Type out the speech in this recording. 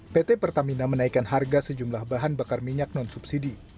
pt pertamina menaikkan harga sejumlah bahan bakar minyak non subsidi